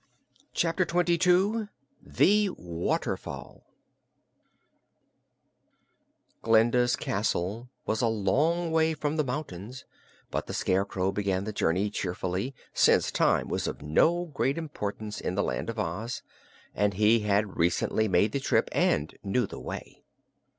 Chapter Twenty Two The Waterfall Glinda's castle was a long way from the mountains, but the Scarecrow began the journey cheerfully, since time was of no great importance in the Land of Oz and he had recently made the trip and knew the way.